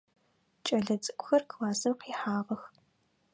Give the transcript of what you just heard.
Кӏэлэцӏыкӏухэр классым къихьагъэх.